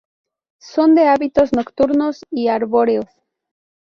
Son de hábitos nocturnos y arbóreos.